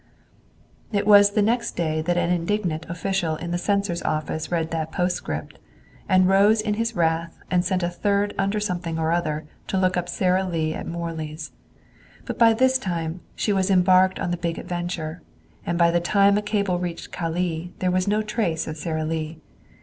It was the next day that an indignant official in the censor's office read that postscript, and rose in his wrath and sent a third Undersomething or other to look up Sara Lee at Morley's. But by this time she was embarked on the big adventure; and by the time a cable reached Calais there was no trace of Sara Lee.